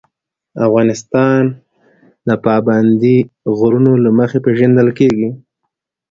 افغانستان د پابندی غرونه له مخې پېژندل کېږي.